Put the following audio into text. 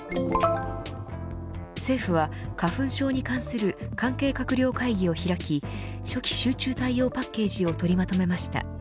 政府は、花粉症に関する関係閣僚会議を開き初期集中対応パッケージを取りまとめました。